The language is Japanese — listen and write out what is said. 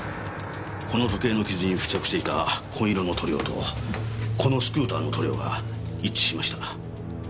この時計の傷に付着していた紺色の塗料とこのスクーターの塗料が一致しました。